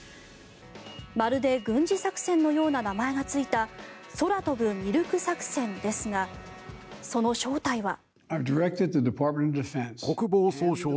まるで軍事作戦のような名前がついた空飛ぶミルク作戦ですがその正体は。